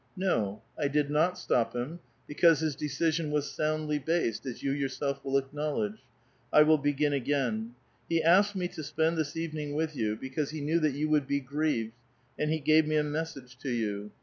No ; 1 did not stop him, be cause his decision was soundly based, as you yourself will acknowledge. I will begin again : he asked me to spend this evening with you, because he knew that 3'OU would be grieved, and he gave me a message to you.